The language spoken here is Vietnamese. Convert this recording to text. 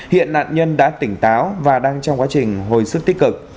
hiện nạn nhân đã tỉnh táo và đang trong quá trình hồi sức tích cực